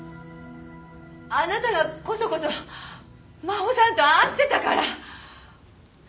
あなたがコソコソ真帆さんと会ってたから！